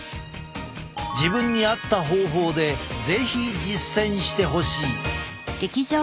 自分に合った方法で是非実践してほしい。